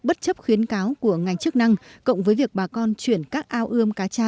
bất chấp khuyến cáo của ngành chức năng cộng với việc bà con chuyển các ao ươm cá cha